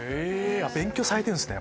勉強されてるんですね。